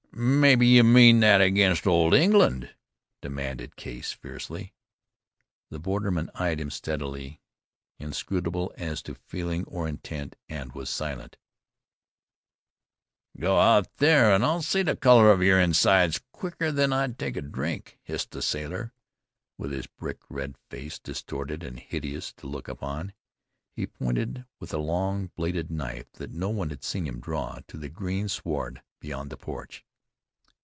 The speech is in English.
"Maybe you mean that against old England?" demanded Case fiercely. The borderman eyed him steadily, inscrutable as to feeling or intent, and was silent. "Go out there and I'll see the color of your insides quicker than I'd take a drink," hissed the sailor, with his brick red face distorted and hideous to look upon. He pointed with a long bladed knife that no one had seen him draw, to the green sward beyond the porch.